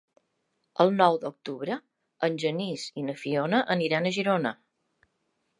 El nou d'octubre en Genís i na Fiona aniran a Girona.